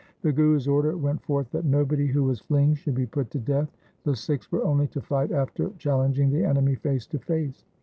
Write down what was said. The Guru's order went forth that nobody who was fleeing should be put to death. The Sikhs were only to fight after chal lenging the enemy face to face.